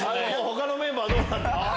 他のメンバーどう？